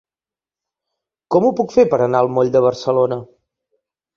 Com ho puc fer per anar al moll de Barcelona?